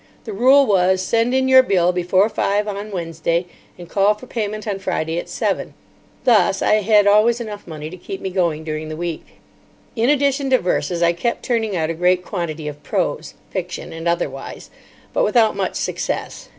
The rule was, Send in your bill before five on Wednesday, and call for payment on Friday at seven. Thus I had always enough money to keep me going during the week. In addition to verses, I kept turning out a great quantity of prose, fiction, and otherwise, but without much success.